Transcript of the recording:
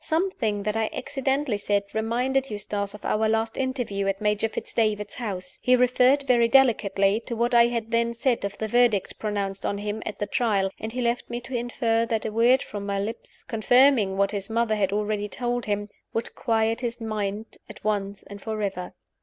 Something that I accidentally said reminded Eustace of our last interview at Major Fitz David's house. He referred, very delicately, to what I had then said of the Verdict pronounced on him at the Trial; and he left me to infer that a word from my lips, confirming what his mother had already told him, would quiet his mind at once and forever.